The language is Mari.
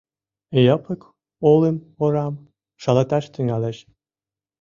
Япык олым орам шалаташ тӱҥалеш.